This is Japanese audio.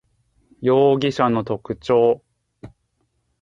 容疑者の特徴